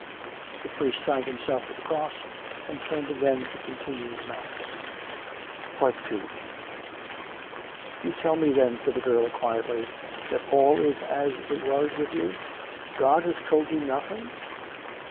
The priest signed himself with the cross, and turned again to continue the mass. II " You tell me, then," said the girl quietly, " that all is as it was with you? God has told you nothing.''